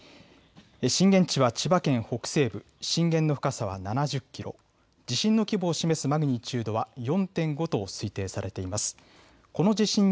震源地は千葉県北西部、震源の深さは７０キロ、地震の規模を示すマグニチュードは４．５と推定されています。